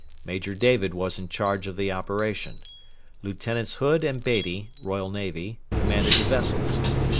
Major David was in charge of the operation. Lieutenants Hood and Beatty (Royal Navy) commanded the vessels.